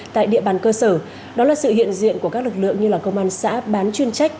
tại địa bàn cơ sở đó là sự hiện diện của các lực lượng như là công an xã bán chuyên trách